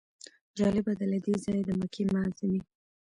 جالبه ده له دې ځایه د مکې معظمې.